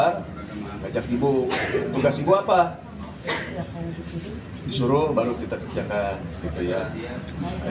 disuruh baru kita kerjakan